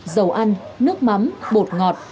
dầu ăn nước mắm bột ngọt